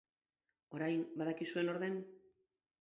Orain badakizue nor den?